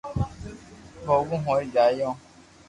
ڀوکو ھوئي جايو